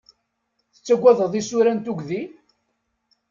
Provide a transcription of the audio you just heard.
Tettagadeḍ isura n tugdi?